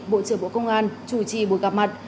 bộ trưởng bộ công an chủ trì buổi gặp mặt